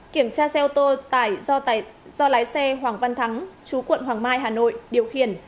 kiểm tra xe ô tô tải do lái xe hoàng văn thắng chú quận hoàng mai hà nội điều khiển